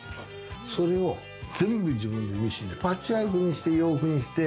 それを全部自分で、ミシンでパッチワークにして洋服にして。